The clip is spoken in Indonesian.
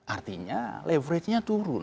artinya leveragenya turun